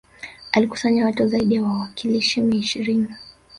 Alikusanya watu zaidi ya wawakilishi mia ishirini